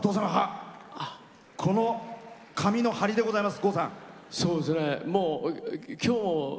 この髪のハリでございます。